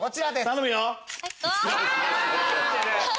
頼むよ！